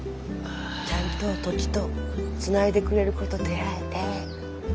ちゃんと土地とつないでくれる子と出会えて。